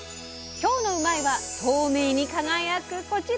今日の「うまいッ！」は透明に輝くこちら！